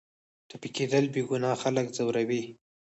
ټپي کېدل بېګناه خلک ځوروي.